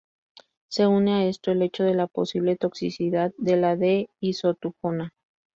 Se une a esto el hecho de la posible toxicidad de la d-Isotujona.